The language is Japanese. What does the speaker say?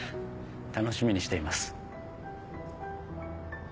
楽しみにしています。